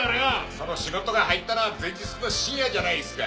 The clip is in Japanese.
その仕事が入ったのは前日の深夜じゃないですか。